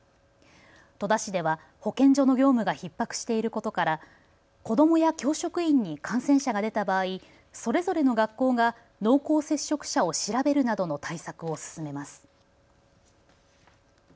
戸田市では、保健所の業務がひっ迫していることから子どもや教職員に感染者が出た場合、それぞれの学校が濃厚接触者を調べるなどの対策を進めます。